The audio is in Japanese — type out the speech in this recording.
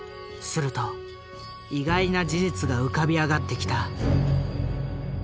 すると意外な事実が浮かび上がってきた。